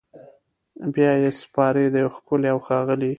بیا یې سپاري د یو ښکلي اوښاغلي